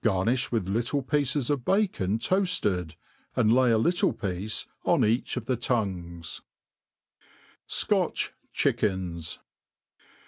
Garnifh with little pieces of bacon toafted, and lay a little piece oh each of the tongues* Scotch Chickens.